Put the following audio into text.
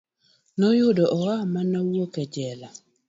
Noyudo oa mana wuok e jela.